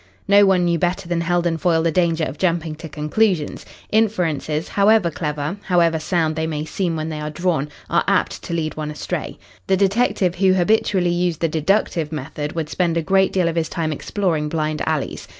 No one knew better than Heldon Foyle the danger of jumping to conclusions. Inferences, however clever, however sound they may seem when they are drawn, are apt to lead one astray. The detective who habitually used the deductive method would spend a great deal of his time exploring blind alleys.